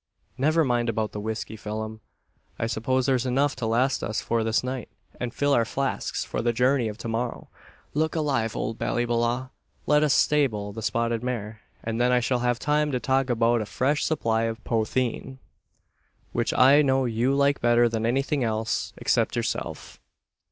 "Never mind about the whisky, Phelim I suppose there's enough to last us for this night, and fill our flasks for the journey of to morrow. Look alive, old Ballyballagh! Let us stable the spotted mare; and then I shall have time to talk about a fresh supply of `potheen,' which I know you like better than anything else except yourself!"